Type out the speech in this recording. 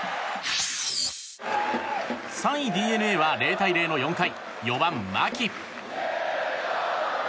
３位ＤｅＮＡは０対０の４回４番、牧。